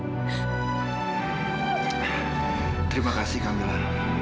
terima kasih kang mila